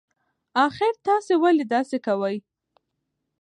اخر تاسي ولې داسی کوئ